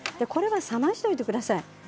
冷ましておいてください。